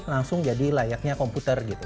langsung jadi layaknya komputer gitu